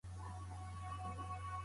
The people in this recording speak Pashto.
هغوی پرون په خپله ژبه خبرې کولې.